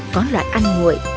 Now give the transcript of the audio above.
có loại ăn nguội